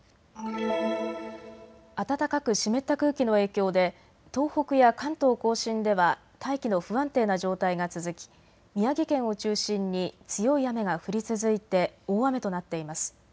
暖かく湿った空気の影響で東北や関東甲信では大気の不安定な状態が続き宮城県を中心に強い雨が降り続いて大雨となっています。